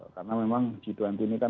karena memang g dua puluh ini kan